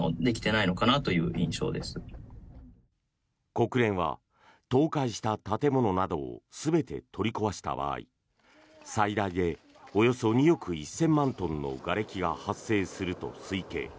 国連は、倒壊した建物などを全て取り壊した場合最大でおよそ２億１０００万トンのがれきが発生すると推計。